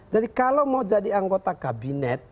jadi kalau mau jadi anggota kabinet